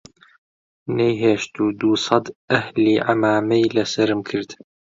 نەیهێشت و دووسەد ئەهلی عەمامەی لە سەرم کرد